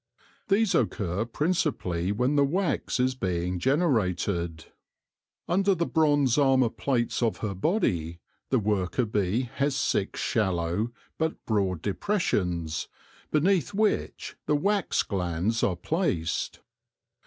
These occur principally when the wax is being generated. Under the bronze armour plates of her body the worker bee has six shallow, but broad, depressions, beneath which the wax glands are placed.